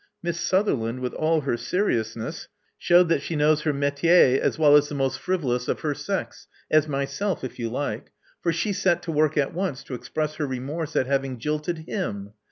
Miss Sutherland, with all her seriousness, shewed that she knows her metier as well as the most frivolous of her sex — as myself, if you like; for she set to work at once to express her remorse at having jilted him.